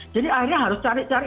jadi akhirnya harus cari cari